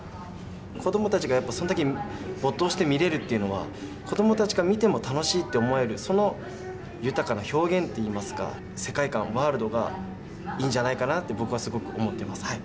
子どもたちがそれだけ没頭して見られるっていうのは子どもたちから見ても楽しいと思えるその豊かな表現といいますか世界観、ワールドがいいんじゃないかなと僕はすごく思ってます。